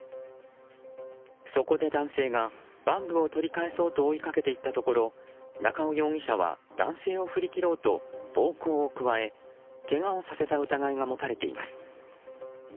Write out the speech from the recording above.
そこで男性がバッグを取り返そうと追いかけていったところ中尾容疑者は男性を振り切ろうと暴行を加えけがをさせた疑いが持たれています。